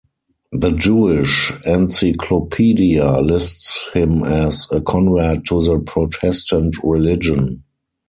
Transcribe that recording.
The Jewish Encyclopedia lists him as a convert to the Protestant religion.